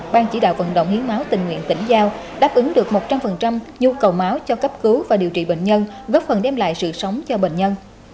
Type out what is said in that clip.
ban chỉ đạo vận động hiến máu tình nguyện tỉnh giao đáp ứng được một trăm linh nhu cầu máu cho cấp cứu và điều trị bệnh nhân góp phần đem lại sự sống cho bệnh nhân